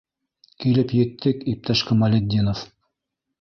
Килеп еттек, иптәш Камалетдинов.